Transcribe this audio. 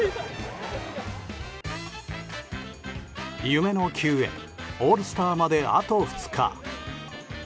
夢の球宴、オールスターまであと２日。